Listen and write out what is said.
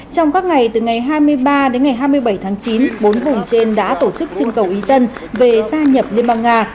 trong các ngày từ ngày hai mươi ba đến ngày hai mươi bảy tháng chín bốn vùng trên đã tổ chức trưng cầu ý dân về gia nhập liên bang nga